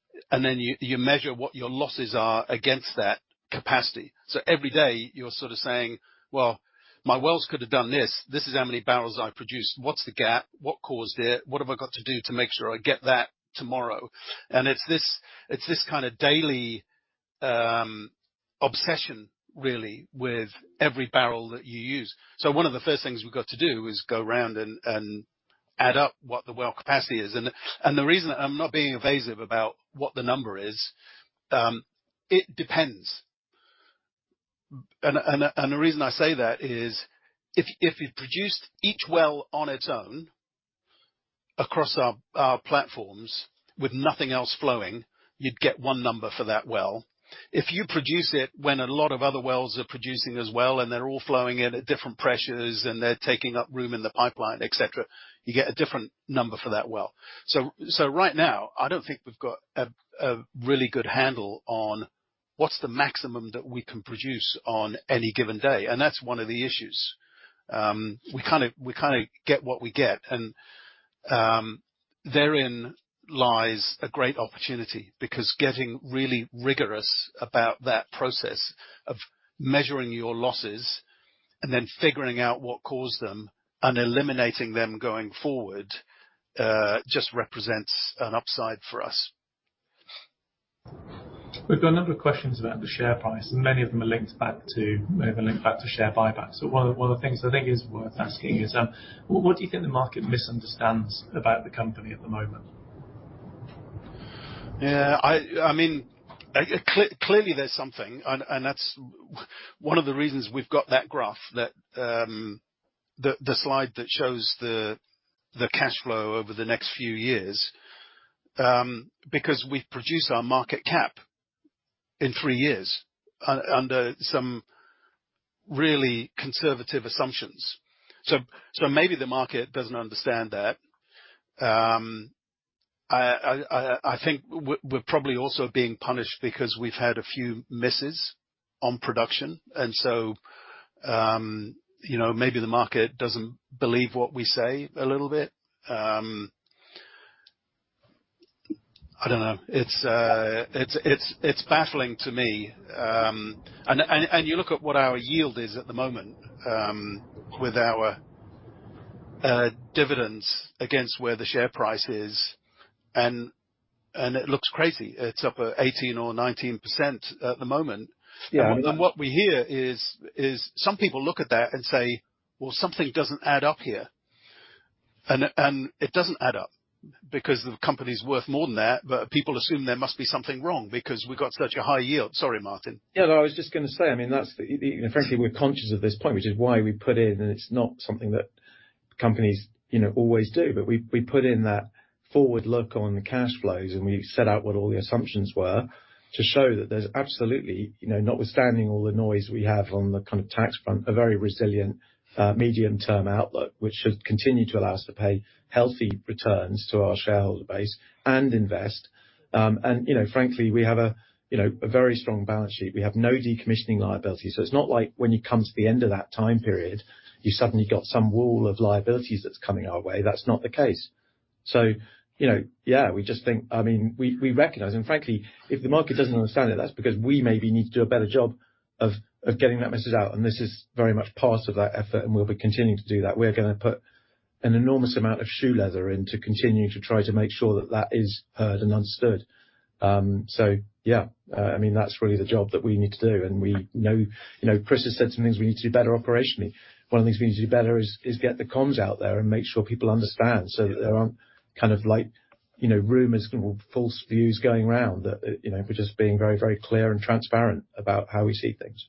you measure what your losses are against that capacity. So every day you're sort of saying, "Well, my wells could have done this. This is how many barrels I've produced. What's the gap? What caused it? What have I got to do to make sure I get that tomorrow?" And it's this kind of daily obsession really with every barrel that you use. So one of the first things we've got to do is go around and add up what the well capacity is. The reason I'm not being evasive about what the number is, it depends. The reason I say that is if you produced each well on its own across our platforms with nothing else flowing, you'd get one number for that well. If you produce it when a lot of other wells are producing as well and they're all flowing in at different pressures and they're taking up room in the pipeline, et cetera, you get a different number for that well. Right now, I don't think we've got a really good handle on what's the maximum that we can produce on any given day, and that's one of the issues. We kinda get what we get, and therein lies a great opportunity because getting really rigorous about that process of measuring your losses and then figuring out what caused them and eliminating them going forward just represents an upside for us. We've got a number of questions about the share price, and many of them are linked back to, maybe linked back to share buyback. One of the things I think is worth asking is, what do you think the market misunderstands about the company at the moment? Yeah. I mean, clearly there's something and that's one of the reasons we've got that graph, the slide that shows the cash flow over the next few years, because we produce our market cap in three years under some really conservative assumptions. Maybe the market doesn't understand that. I think we're probably also being punished because we've had a few misses on production and so, you know, maybe the market doesn't believe what we say a little bit. I don't know. It's baffling to me. And you look at what our yield is at the moment, with our dividends against where the share price is and it looks crazy. It's up 18% or 19% at the moment. Yeah. What we hear is some people look at that and say, "Well, something doesn't add up here." It doesn't add up because the company's worth more than that. People assume there must be something wrong because we've got such a high yield. Sorry, Martin. Yeah, no, I was just gonna say, I mean, that's the frankly, we're conscious of this point, which is why we put in, and it's not something that companies you know always do. But we put in that forward look on the cash flows, and we set out what all the assumptions were to show that there's absolutely, you know, notwithstanding all the noise we have on the kind of tax front, a very resilient medium-term outlook, which should continue to allow us to pay healthy returns to our shareholder base and invest. You know, frankly, we have a you know very strong balance sheet. We have no decommissioning liabilities. It's not like when you come to the end of that time period, you suddenly got some wall of liabilities that's coming our way. That's not the case. You know, yeah, we just think I mean, we recognize, and frankly, if the market doesn't understand it, that's because we maybe need to do a better job of getting that message out, and this is very much part of that effort, and we'll be continuing to do that. We're gonna put an enormous amount of shoe leather into continuing to try to make sure that that is heard and understood. I mean, that's really the job that we need to do, and we know. You know, Chris has said some things we need to do better operationally. One of the things we need to do better is get the comms out there and make sure people understand so that there aren't kind of like, you know, Rhumors or false views going around. That, you know, we're just being very, very clear and transparent about how we see things.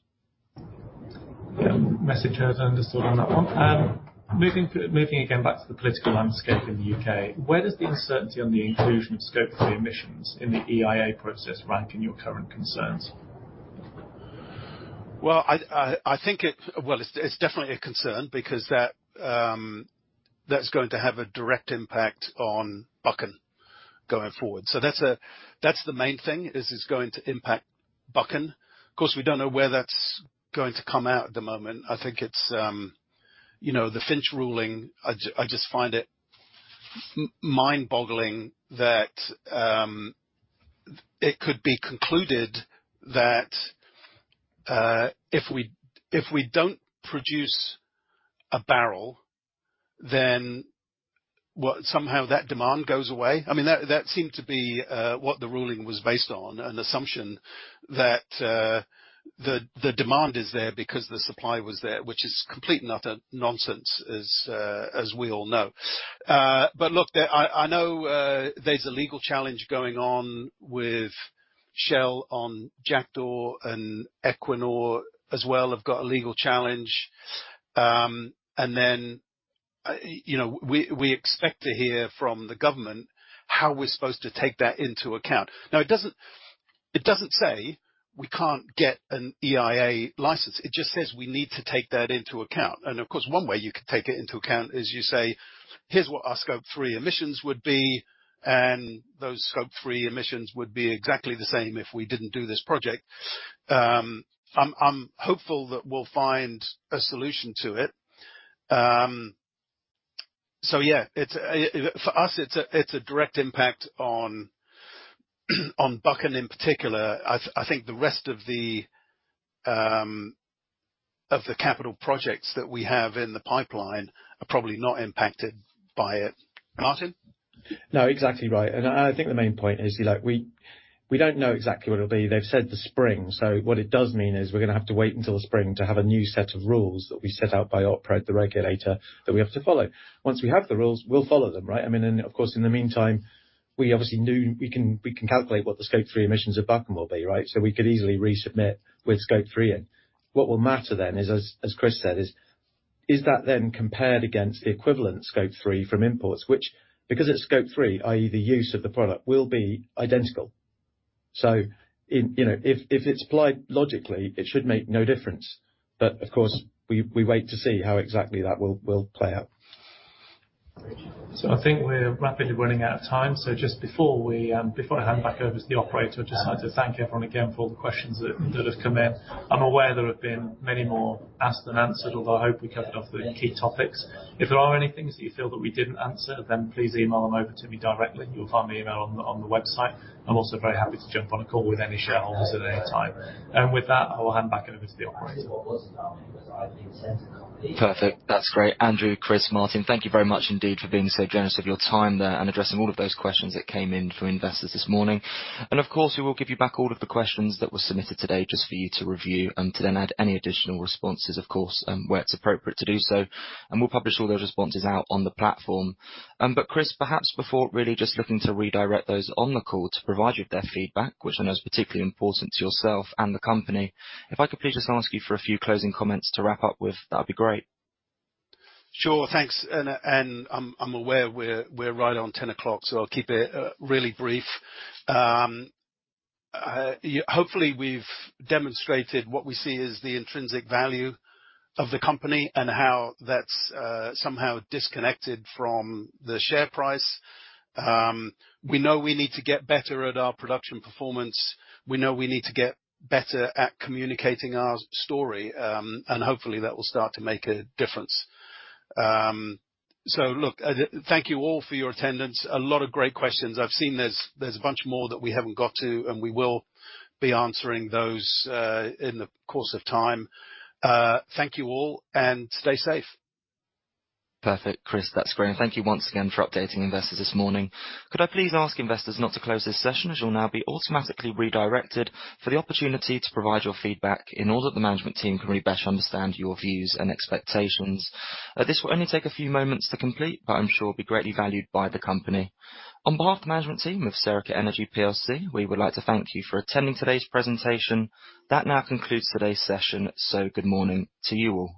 Message heard and understood on that one. Moving again back to the political landscape in the U.K. Where does the uncertainty on the inclusion of Scope 3 emissions in the EIA process rank in your current concerns? I think it's definitely a concern because that's going to have a direct impact on Buchan going forward. That's the main thing, is it's going to impact Buchan. Of course, we don't know where that's going to come out at the moment. I think it's, you know, the Finch ruling. I just find it mind-boggling that it could be concluded that if we don't produce a barrel, then what, somehow that demand goes away. I mean, that seemed to be what the ruling was based on, an assumption that the demand is there because the supply was there, which is complete and utter nonsense, as we all know. Look, I know there's a legal challenge going on with Shell on Jackdaw, and Equinor as well have got a legal challenge. You know, we expect to hear from the government how we're supposed to take that into account. It doesn't say we can't get an EIA license. It just says we need to take that into account. Of course, one way you can take it into account is you say, "Here's what our Scope 3 emissions would be," and those Scope 3 emissions would be exactly the same if we didn't do this project. I'm hopeful that we'll find a solution to it. For us, it's a direct impact on Buchan in particular. I think the rest of the capital projects that we have in the pipeline are probably not impacted by it. Martin? No, exactly right. I think the main point is, you know, we don't know exactly what it'll be. They've said the spring, so what it does mean is we're gonna have to wait until the spring to have a new set of rules that we set out by the regulator, that we have to follow. Once we have the rules, we'll follow them, right? I mean, of course, in the meantime, we obviously can calculate what the Scope 3 emissions of Buchan will be, right? We could easily resubmit with Scope 3 in. What will matter then is, as Chris said, that then compared against the equivalent Scope 3 from imports, which, because it's Scope 3, i.e. the use of the product will be identical. You know, if it's applied logically, it should make no difference. Of course, we wait to see how exactly that will play out. I think we're rapidly running out of time. Just before I hand back over to the operator, I would like to thank everyone again for all the questions that have come in. I'm aware there have been many more asked than answered, although I hope we covered off the key topics. If there are any things that you feel that we didn't answer, then please email them over to me directly. You'll find my email on the website. I'm also very happy to jump on a call with any shareholders at any time. With that, I will hand back over to the operator. Perfect. That's great. Andrew, Chris, Martin, thank you very much indeed for being so generous with your time there and addressing all of those questions that came in from investors this morning. Of course, we will give you back all of the questions that were submitted today just for you to review and to then add any additional responses, of course, where it's appropriate to do so, and we'll publish all those responses out on the platform. But Chris, perhaps before really just looking to redirect those on the call to provide you with their feedback, which I know is particularly important to yourself and the company, if I could please just ask you for a few closing comments to wrap up with, that'd be great. Sure. Thanks. I'm aware we're right on 10 o'clock, so I'll keep it really brief. Hopefully we've demonstrated what we see as the intrinsic value of the company and how that's somehow disconnected from the share price. We know we need to get better at our production performance. We know we need to get better at communicating our story, and hopefully that will start to make a difference. Look, thank you all for your attendance. A lot of great questions. I've seen there's a bunch more that we haven't got to, and we will be answering those in the course of time. Thank you all, and stay safe. Perfect. Chris, that's great. Thank you once again for updating investors this morning. Could I please ask investors not to close this session, as you'll now be automatically redirected for the opportunity to provide your feedback in order that the management team can really better understand your views and expectations. This will only take a few moments to complete, but I'm sure it'll be greatly valued by the company. On behalf of the management team of Serica Energy plc, we would like to thank you for attending today's presentation. That now concludes today's session, so good morning to you all.